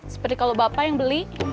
seperti kalau bapak yang beli